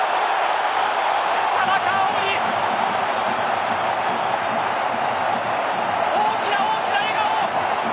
田中碧に大きな、大きな笑顔！